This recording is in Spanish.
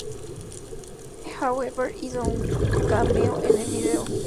Hugh Hefner hizo un cameo en el video.